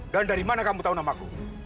dan dari mana kamu tahu namaku